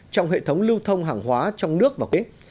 trong hệ thống lưu thông hàng hóa trong nước và quốc